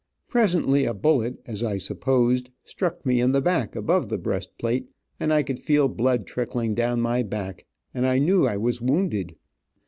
Presently a bullet, as I supposed, struck me in the back above the breast plate, and I could feel blood trickling down my back, and I knew I was wounded.